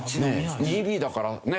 ２Ｂだからね